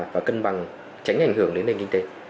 và cân bằng tránh ảnh hưởng đến kinh tế